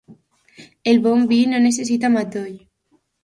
El bon vi no necessita matoll